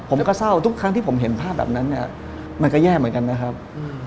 ผมก็เศร้าทุกครั้งที่ผมเห็นภาพแบบนั้นเนี่ยมันก็แย่เหมือนกันนะครับ